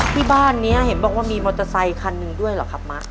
ที่บ้านนี้เห็นบอกว่ามีมอเตอร์ไซคันหนึ่งด้วยเหรอครับมะ